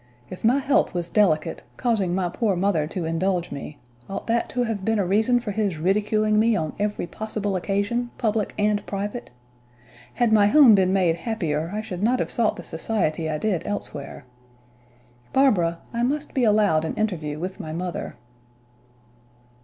"If my health was delicate, causing my poor mother to indulge me, ought that to have been a reason for his ridiculing me on every possible occasion, public and private? Had my home been made happier I should not have sought the society I did elsewhere. Barbara, I must be allowed an interview with my mother."